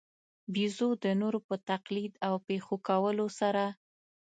بېزو د نورو په تقلید او پېښو کولو سره.